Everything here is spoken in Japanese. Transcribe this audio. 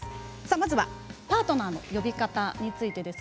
まずはパートナーの呼び方についてです。